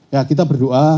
ya kita berdoa